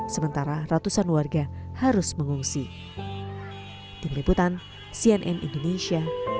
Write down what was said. sementara ratusan warga harus mengungsi